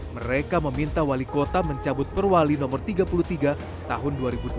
mereka meminta wali kota mencabut perwali nomor tiga puluh tiga tahun dua ribu dua puluh